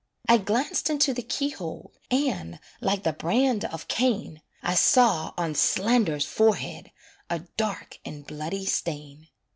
I glanced into the key hole, And, like the brand of Cain, I saw on Slander's forehead A dark and bloody stain.